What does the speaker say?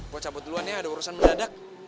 buat cabut duluan ya ada urusan mendadak